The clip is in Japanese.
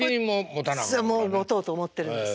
もう持とうと思ってるんです。